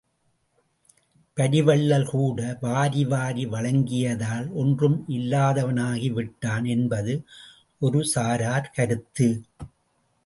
பரி வள்ளல் கூட வாரி வாரி வழங்கியதால் ஒன்றும் இல்லாதவனாகிவிட்டான் என்பது ஒருசாரார் கருத்து.